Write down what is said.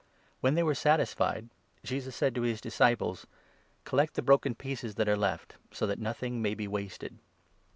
When they were satisfied, Jesus said 12 to his disciples : "Collect the broken pieces that are left, so that nothing may be wasted."